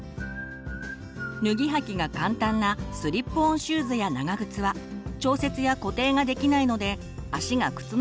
脱ぎ履きが簡単なスリップオンシューズや長靴は調節や固定ができないので足が靴の中で動いてしまいます。